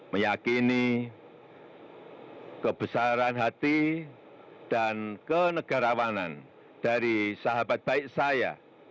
meyakini kebesaran hati dan kenegarawanan dari sahabat baik saya